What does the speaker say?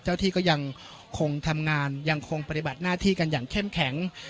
ที่ก็ยังคงทำงานยังคงปฏิบัติหน้าที่กันอย่างเข้มแข็ง